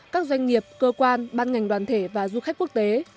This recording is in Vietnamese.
các doanh nghiệp cơ quan ban ngành đoàn thể và du khách quốc tế